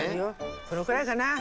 このくらいかな？